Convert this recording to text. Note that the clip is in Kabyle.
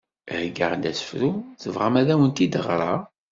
Heggaɣ-d asefru, tebɣam ad awen-t-id-ɣreɣ?